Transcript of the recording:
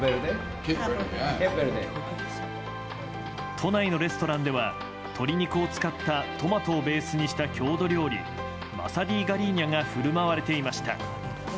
都内のレストランでは鶏肉を使ったトマトをベースにした郷土料理マサディガリーニャが振る舞われていました。